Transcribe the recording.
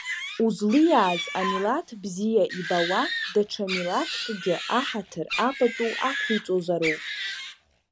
Узлиааз амилаҭ бзиа ибауа, даҽа милаҭкгьы аҳаҭыр, апату ақәуҵозароуп.